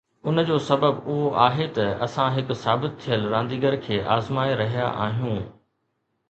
ان جو سبب اهو آهي ته اسان هڪ ثابت ٿيل رانديگر کي آزمائي رهيا آهيون